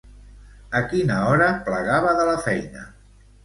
A quina hora plegava de la feina?